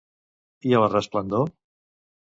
I a la resplendor?